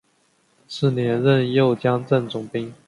次年任右江镇总兵。